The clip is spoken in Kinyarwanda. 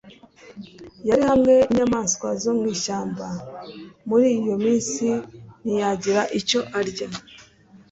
Yari hamwe n'inyamaswa zo mu ishyamba.» «Muri iyo minsi ntiyagira icyo arya.»